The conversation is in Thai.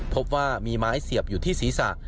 พบว่ามีไม้เสียบอยู่ที่ศีรษะ